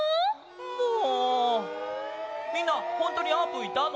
もうみんなほんとにあーぷんいたの？